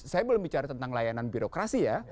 saya belum bicara tentang layanan birokrasi ya